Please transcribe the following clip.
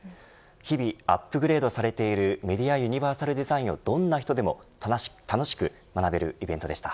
日々、アップグレードされているメディア・ユニバーサルデザインをどんな人でも楽しく学べるイベントでした。